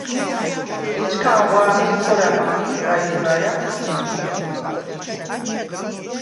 ეჩქანღვ’ ა̄მის ქორა̈ მახვში სგა იბრაჲა ი ჟი იშხვინდა.